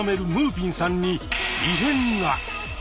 ぴんさんに異変が！